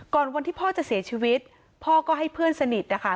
ก่อนวันที่พ่อจะเสียชีวิตพ่อก็ให้เพื่อนสนิทนะคะ